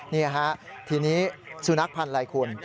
นี่ฮะทีนี้สุนัขพันธ์อะไรคุณ